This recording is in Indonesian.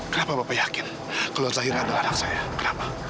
kenapa bapak yakin kalau zahiran adalah anak saya kenapa